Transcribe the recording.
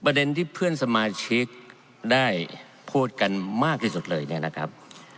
ประเด็นที่เพื่อนสมาชิกได้พูดกันมากที่สุดเลยนะครับ